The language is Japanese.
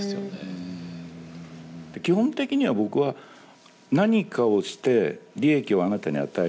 基本的には僕は「何かをして利益をあなたに与えますよ。